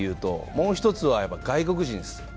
もう一つは外国人です。